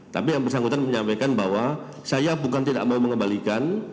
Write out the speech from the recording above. tapi yang bersangkutan menyampaikan bahwa saya bukan tidak mau mengembalikan